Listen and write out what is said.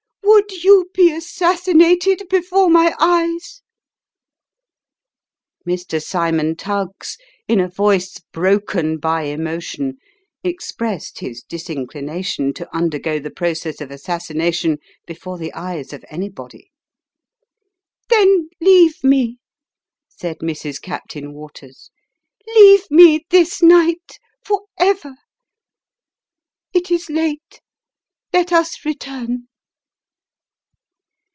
Would you be assassinated before my eyes ?" Mr. Cymou Tuggs, in a voice broken by emotion, expressed his disinclination to undergo the process of assassination before the eyes of anybody. " Then leave me," said Mrs. Captain Waters. " Leave me, this night, for ever. It is late : let us return."